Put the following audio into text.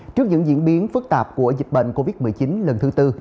trước những diễn biến phức tạp của dịch bệnh covid một mươi chín lần thứ tư